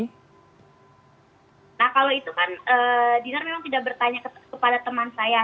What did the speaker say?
nah kalau itu kan dinar memang tidak bertanya kepada teman saya